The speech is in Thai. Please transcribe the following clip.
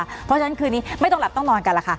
เพราะฉะนั้นคืนนี้ไม่ต้องหลับต้องนอนกันล่ะค่ะ